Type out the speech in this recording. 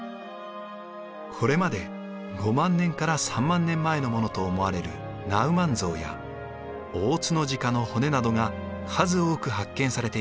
これまで５万年から３万年前のものと思われるナウマンゾウやオオツノジカの骨などが数多く発見されています。